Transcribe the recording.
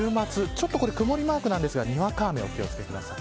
ちょっと曇りマークなんですがにわか雨にお気を付けください。